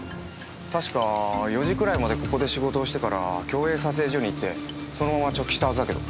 確か４時くらいまでここで仕事をしてから共映撮影所に行ってそのまま直帰したはずだけど。